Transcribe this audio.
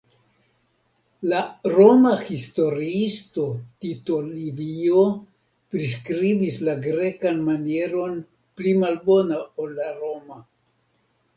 La Roma historiisto Tito Livio priskribis la grekan manieron pli malbona ol la roma.